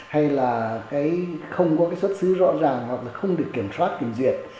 hay là cái không có xuất xứ rõ ràng hoặc là không được kiểm soát kiểm duyệt